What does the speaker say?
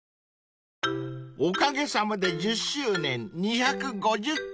［おかげさまで１０周年２５０回］